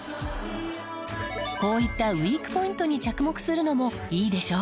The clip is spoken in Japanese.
こういったウィークポイントに着目するのもいいでしょう。